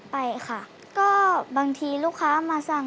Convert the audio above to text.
ไปค่ะก็บางทีลูกค้ามาสั่ง